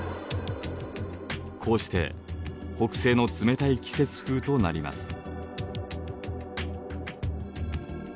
こうして北西の冷たい季節風となります。